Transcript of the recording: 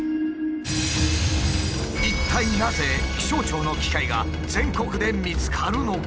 一体なぜ気象庁の機械が全国で見つかるのか！？